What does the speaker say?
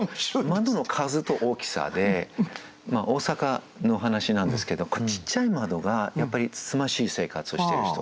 窓の数と大きさで大阪の話なんですけどちっちゃい窓がやっぱりつつましい生活をしてる人。